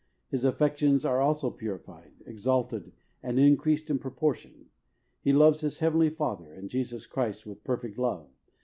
His affections are also purified, exalted, and increased in proportion. He loves his heavenly Father, and Jesus Christ, with a perfect love.